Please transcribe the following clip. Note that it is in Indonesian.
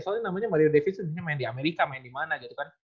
soalnya namanya mario david sebenarnya main di amerika main di mana gitu kan